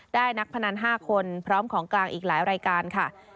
นักพนัน๕คนพร้อมของกลางอีกหลายรายการค่ะ